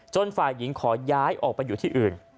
ฝ่ายหญิงขอย้ายออกไปอยู่ที่อื่น